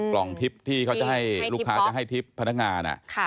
กล่องทิพย์ที่เขาจะให้ลูกค้าจะให้ทิพย์พนักงาน